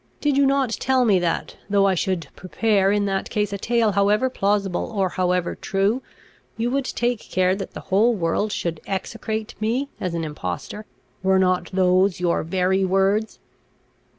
Did you not tell me that, though I should prepare in that case a tale however plausible or however true, you would take care that the whole world should execrate me as an impostor? Were not those your very words?